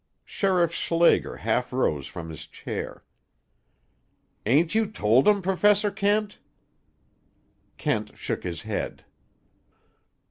Sheriff Schlager half rose from his chair. "Ain't you told 'em, Professor Kent?" Kent shook his head.